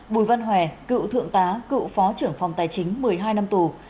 bùi văn hòe cựu thượng tá cựu phó trưởng phòng tài chính một mươi hai năm tù